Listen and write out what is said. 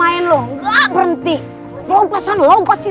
harus berhasil pada saat yang terakhir